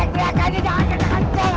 kamu teriak teriak aja jangan kena kenceng